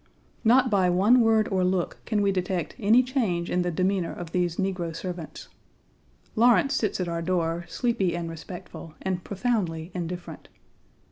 Not by one word or look can we detect any change in the demeanor of these negro servants. Lawrence sits at our door, sleepy and respectful, and profoundly indifferent.